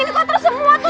ini kotor semua tuh